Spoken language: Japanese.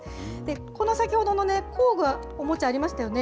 この先ほどのね、工具やおもちゃ、ありましたよね。